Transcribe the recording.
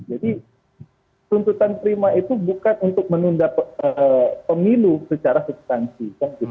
jadi tuntutan terima itu bukan untuk menunda pemilu secara substansi